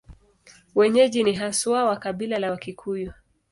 Wenyeji ni haswa wa kabila la Wakikuyu.